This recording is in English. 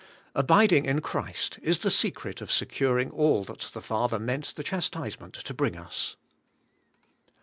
Abiding in Christ is the secret of securing all that the Father meant the chastisement to bring us.